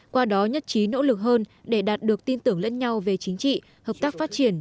qua đó nhất trí nỗ lực hơn để đạt được tin tưởng lẫn nhau về chính trị hợp tác phát triển